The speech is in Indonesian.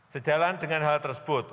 sejalan dengan hal tersebut